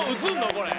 これ。